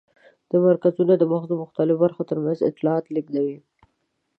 دا مرکزونه د مغز د مختلفو برخو تر منځ اطلاعات لېږدوي.